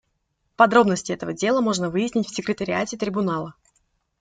Подробности этого дела можно выяснить в Секретариате Трибунала.